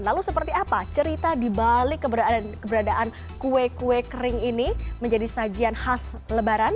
lalu seperti apa cerita di balik keberadaan kue kue kering ini menjadi sajian khas lebaran